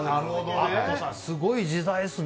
すごい時代ですね。